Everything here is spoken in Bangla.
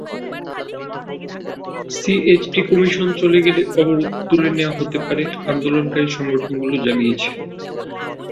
সিএইচটি কমিশন চলে গেলে অবরোধ তুলে নেওয়া হতে পারে আন্দোলনকারী সংগঠনগুলো জানিয়েছে।